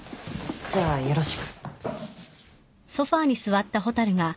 じゃあよろしく。